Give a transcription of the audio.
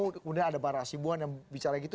kemudian ada bara asibuan yang bicara gitu